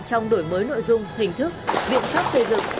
trong đổi mới nội dung hình thức biện pháp xây dựng